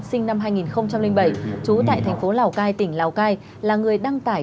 sinh năm hai nghìn bảy trú tại thành phố lào cai tỉnh lào cai là người đăng tải